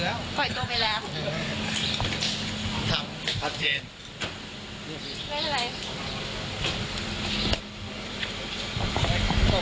ครับแต่จากฐานั้นไม่เกี่ยวไม่เกี่ยวหรอครับครับเรื่องก็เราได้มีการปล่อยตัวไปเรียบร้อยแล้วหรอคะ